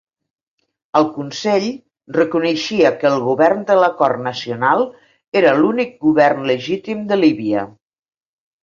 El Consell reconeixia que el govern de l'acord nacional era l'únic govern legítim de Líbia.